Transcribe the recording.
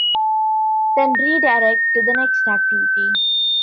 Then re-direct to the next activity.